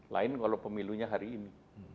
lain kalau pemilunya hari ini